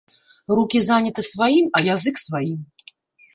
Рукі заняты сваім, а язык сваім.